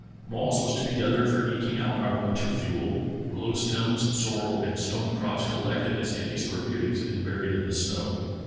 Moss was to be gathered for eking out our winter fuel; willow stems, sorrel, and stone crops collected as anti scorbutics and buried in the snow."